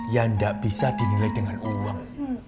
yang tidak bisa dinilai dengan uang